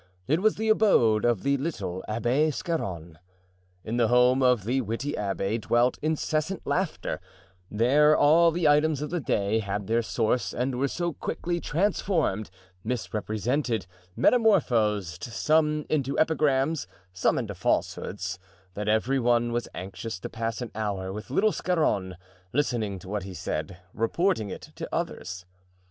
It was the abode of the little Abbé Scarron. In the home of the witty abbé dwelt incessant laughter; there all the items of the day had their source and were so quickly transformed, misrepresented, metamorphosed, some into epigrams, some into falsehoods, that every one was anxious to pass an hour with little Scarron, listening to what he said, reporting it to others.